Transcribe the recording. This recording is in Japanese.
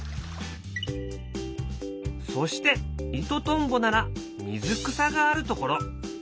そしてイトトンボなら水草があるところ。